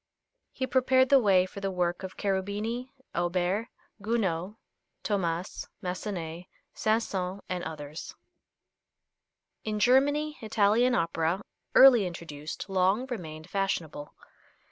He prepared the way for the work of Cherubini, Auber, Gounod, Thomas, Massenet, Saint Saëns and others. In Germany, Italian opera, early introduced, long remained fashionable.